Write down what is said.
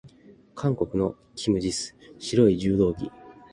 韓国のキム・ジス、白い柔道着。